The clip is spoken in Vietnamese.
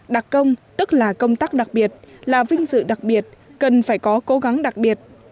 đặc công tức là công tác đặc biệt là vinh dự đặc biệt cần phải có cố gắng đặc biệt